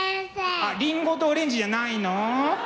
あっ「りんごとオレンジ」じゃないの？